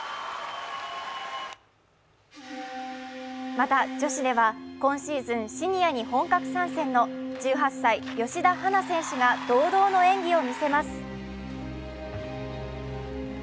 また女子では今シーズン、シニアに本格参戦の１８歳、吉田陽菜選手が堂々の演技を見せます。